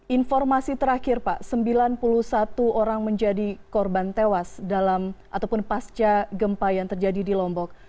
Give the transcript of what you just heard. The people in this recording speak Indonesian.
informasi terakhir pak sembilan puluh satu orang menjadi korban tewas dalam ataupun pasca gempa yang terjadi di lombok